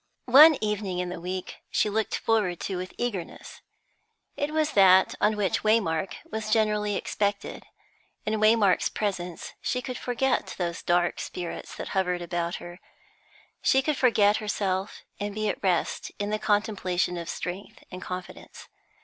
One evening in the week she looked forward to with eagerness; it was that on which Waymark was generally expected. In Waymark's presence she could forget those dark spirits that hovered about her; she could forget herself, and be at rest in the contemplation of strength and confidence.